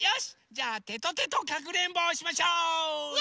じゃあテトテトかくれんぼをしましょう！